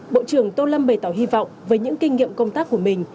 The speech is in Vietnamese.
bộ trưởng tô lâm bày tỏ hy vọng với những kinh nghiệm công tác của mình